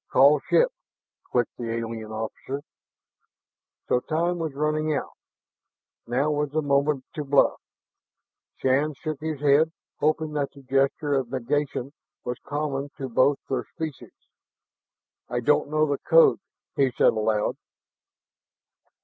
"Call ship!" clicked the alien officer. So time must be running out. Now was the moment to bluff. Shann shook his head, hoping that the gesture of negation was common to both their species. "I don't know the code," he said aloud.